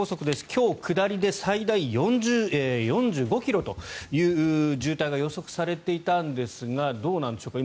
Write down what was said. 今日、下りで最大４５ｋｍという渋滞が予測されていたんですがどうなんでしょうか。